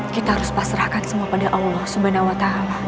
kita harus pasrahkan semua pada allah swt